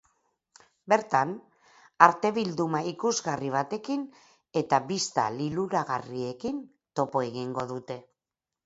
Bertan, arte bilduma ikusgarri batekin eta bista liluragarriekin topo egingo dute.